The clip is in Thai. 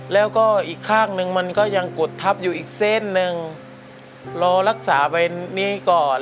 แล้วก็อีกข้างหนึ่งมันก็ยังกดทับอยู่อีกเส้นหนึ่งรอรักษาไว้นี้ก่อน